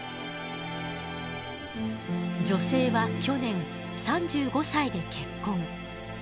女性は去年３５歳で結婚。